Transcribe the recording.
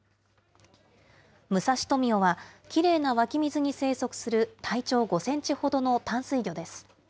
ムサシトミヨは、きれいな湧き水に生息する体長５センチほどの淡水魚です。